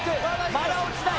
まだ落ちない。